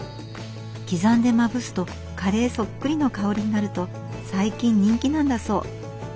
刻んでまぶすとカレーそっくりの香りになると最近人気なんだそう。